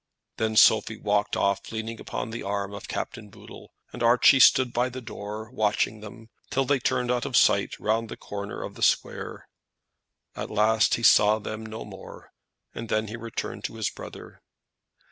Then Sophie walked off leaning upon the arm of Captain Boodle, and Archie stood at the door watching them till they turned out of sight round the corner of the square. At last he saw them no more, and then he returned to his brother.